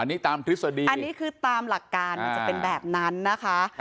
อันนี้ตามทฤษฎีอันนี้คือตามหลักการมันจะเป็นแบบนั้นนะคะ